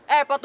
eh pak tua